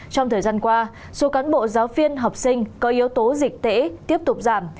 trong thời gian qua số cán bộ giáo viên học sinh có yếu tố dịch tễ tiếp tục giảm